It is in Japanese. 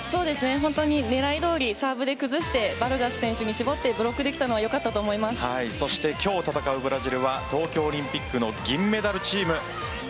本当に狙いどおりサーブで崩してバルガス選手に絞ってブロックできたのはよかったと今日戦うブラジルは東京オリンピックの銀メダルチーム。